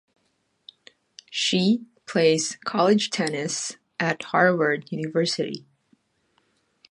Shi plays college tennis at Harvard University.